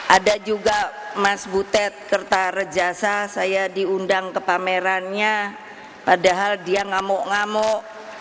ada juga mas butet kertarejasa saya diundang ke pamerannya padahal dia ngamuk ngamuk